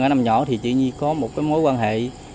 ở năm nhỏ thì chị nhi có một mối quan hệ